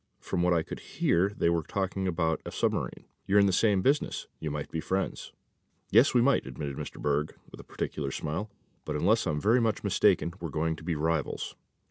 From what I could hear they were talking about a submarine. You're in the same business. You might be friends." "Yes, we might," admitted Mr. Berg with a peculiar smile; "but, unless I'm very much mistaken, we're going to be rivals."